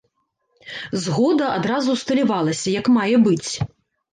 Згода адразу ўсталявалася як мае быць.